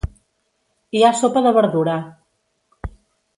Hi ha sopa de verdura.